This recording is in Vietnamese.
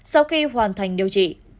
sau khi hoàn thành điều trị